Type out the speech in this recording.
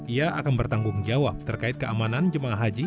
ia akan bertanggung jawab terkait keamanan jemaah haji